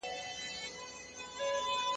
درناوی د مينې پيل دی.